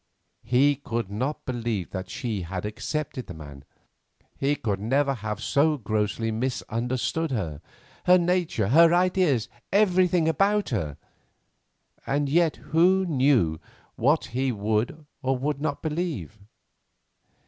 He could not believe that she had accepted the man! He could never have so grossly misunderstood her, her nature, her ideas, everything about her! And yet who knew what he would or would not believe?